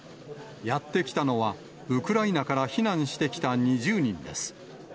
やって来たのは、ウクライナから避難してきた２０人です。